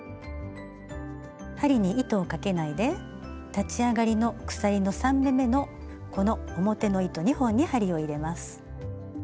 針に糸をかけないで立ち上がりの鎖３目めのこの表の糸２本に針を入れます。